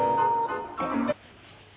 って。